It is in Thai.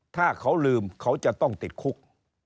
ถ้าเขาลืมเขาจะต้องติดคุก